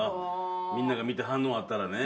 みんなが見て反応あったらね。